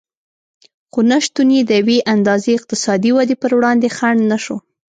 خو نشتون یې د یوې اندازې اقتصادي ودې پر وړاندې خنډ نه شو